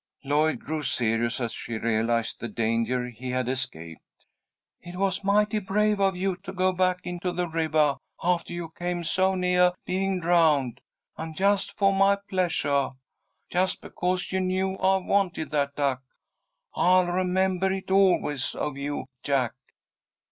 Lloyd grew serious as she realized the danger he had escaped. "It was mighty brave of you to go back into the rivah aftah you came so neah being drowned, and just fo' my pleasuah just because you knew I wanted that duck. I'll remembah it always of you, Jack."